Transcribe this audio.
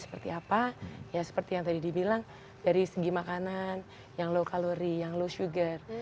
jadi apa ya seperti yang tadi dibilang dari segi makanan yang low kalori yang low sugar